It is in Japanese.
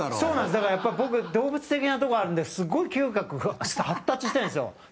だから、やっぱり僕、動物的なとこあるんですごい、嗅覚が発達してるんですよ。